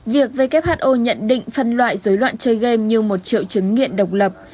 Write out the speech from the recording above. việc who nhận định phân loại dối loạn chơi game như một triệu chứng nghiện độc lập